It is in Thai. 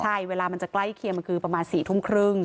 ใช่เวลามันจะใกล้เคียงมันคือประมาณ๔ทุ่มครึ่ง